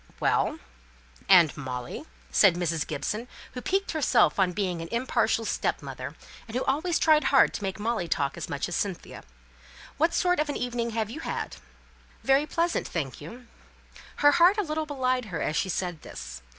"Well and Molly," said Mrs. Gibson, who piqued herself on being an impartial stepmother, and who always tried hard to make Molly talk as much as Cynthia, "what sort of an evening have you had?" "Very pleasant, thank you." Her heart a little belied her as she said this.